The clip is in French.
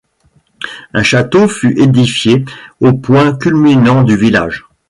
Un château fut édifié au point culminant du village.